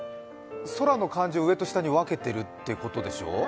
空の漢字を上と下に分けてるってことでしょう？